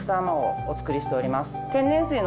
まおうお作りしております。